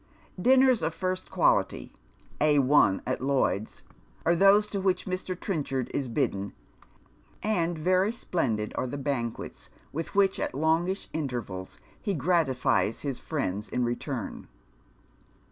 Dinners of first quality, Al at Lloyds, are those to which Mr. Trenchard is bidden, and very splendid are the lianquets with which at longish intervals he gratifies his fiiends in return.